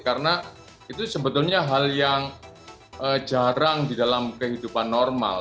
karena itu sebetulnya hal yang jarang di dalam kehidupan normal